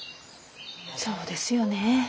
そうですよね。